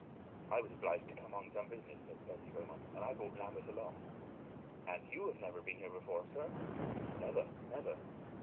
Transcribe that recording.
"I was obliged to come on some business," said Percy Beaumont, "and I brought Lambeth along." "And YOU have been here before, sir?" "Never never."